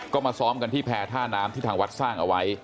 ก็มาซ้อมกันที่แพรท่าน้ำที่ทางวัดสร้างเอาไว้